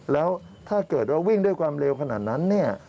แล้วถ้าเกิดว่าวิ่งด้วยความเร็วขนาดนั้นเนี่ย